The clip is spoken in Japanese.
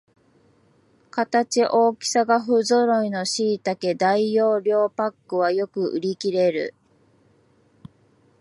形、大きさがふぞろいのしいたけ大容量パックはよく売りきれる